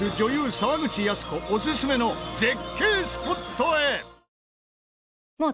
沢口靖子オススメの絶景スポットへ！